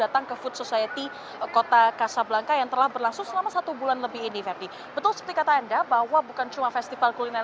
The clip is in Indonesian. tanda bahwa bukan cuma festival kuliner